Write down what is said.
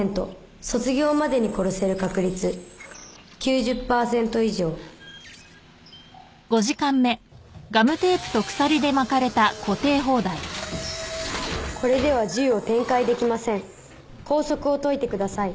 卒業までに殺せる確率９０％以上これでは銃を展開できません拘束を解いてくださいあのさ